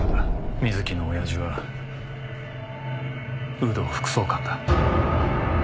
水木の親父は有働副総監だ。